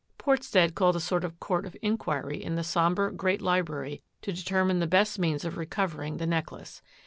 Portstead called a sort of court of inquiry in the sombre, great library to de termine the best means of recovering the necklace.